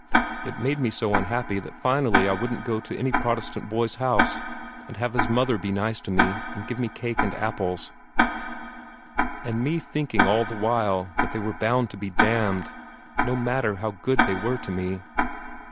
It made me so unhappy that finally I wouldn't go to any Protestant boy's house, and have his mother be nice to me, and give me cake and apples and me thinking all the while that they were bound to be damned, no matter how good they were to me."